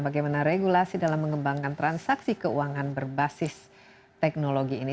bagaimana regulasi dalam mengembangkan transaksi keuangan berbasis teknologi ini